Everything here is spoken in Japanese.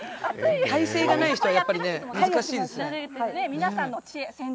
耐性がない人は難しいですよね。